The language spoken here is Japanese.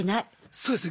そうですね。